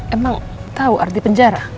emang tau arti penjara